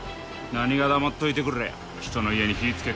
何が黙っといてくれや人の家に火つけて。